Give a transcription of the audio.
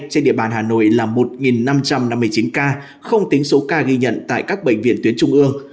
trên địa bàn hà nội là một năm trăm năm mươi chín ca không tính số ca ghi nhận tại các bệnh viện tuyến trung ương